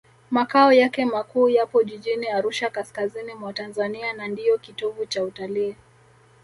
makao yake makuu yapo jijini arusha kaskazini mwa tanzania na ndiyo kitovu cha utalii